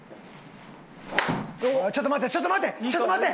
ちょっと待てちょっと待て！